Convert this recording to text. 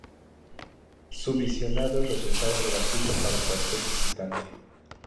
Su visionado resultaba gratuito para cualquier visitante.